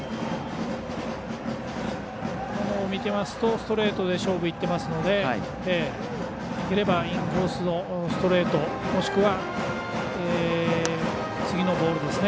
ストレートで勝負にいってますのでできればインコースのストレートもしくは次のボールですね。